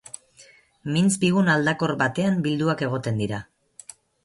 Mintz bigun aldakor batean bilduak egoten dira.